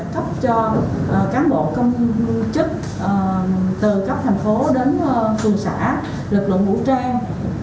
chúng tôi sẽ cấp cho cán bộ công chức từ các thành phố đến phường xã lực lượng vũ trang